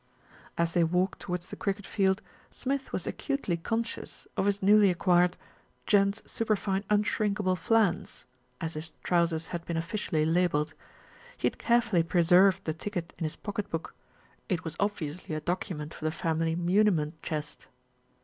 As they walked towards the cricket field, Smith was acutely conscious of his newly acquired "Gents' Super fine Unshrinkable Flans," as his trousers had been officially labelled. He had carefully preserved the ticket in his pocket book; it was obviously a document for the family muniment chest.